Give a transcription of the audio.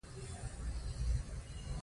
جامې په تدریجي ډول د فشار له امله څیریږي.